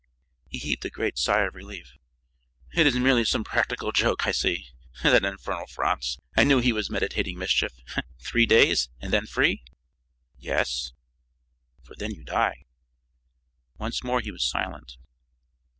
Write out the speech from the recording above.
He heaved a great sigh of relief. "It is merely some practical joke, I see. That infernal Franz, I knew he was meditating mischief! Three days and then free?" "Yes, for then you die." Once more he was silent.